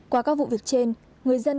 qua các vụ việc trên